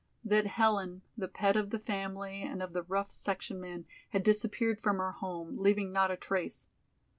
That Helen, the pet of the family and of the rough section men, had disappeared from her home, leaving not a trace.